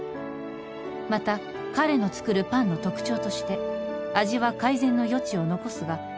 「また彼の作るパンの特徴として」「味は改善の余地を残すが」